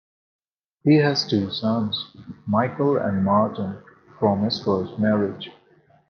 He has two sons, Michael and Martin, from his first marriage.